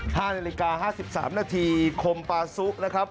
ห้านาฬิกาห้าสิบสามนาทีคมปาซุนะครับ